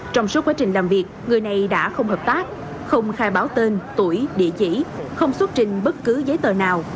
trong suốt quá trình làm việc người này đã không hợp tác không khai báo tên tuổi địa chỉ không xuất trình bất cứ giấy tờ nào